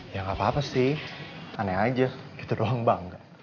ya gapapa sih aneh aja gitu doang bang